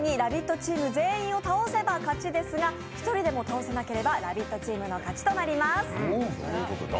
チーム全員倒せば勝ちですが１人でも倒せなければ「ラヴィット！」チームの勝ちとなります。